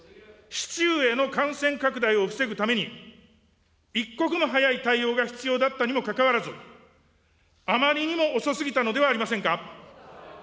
市中への感染拡大を防ぐために、一刻も早い対応が必要だったにもかかわらず、あまりにも遅すぎたのではありませんか。